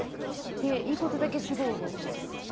良いことだけすごい覚えてます。